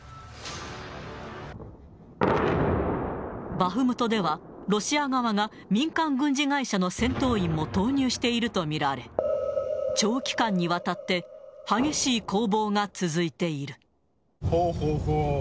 バフムトでは、ロシア側が民間軍事会社の戦闘員も投入していると見られ、長期間にわたって激しい攻防が続いている。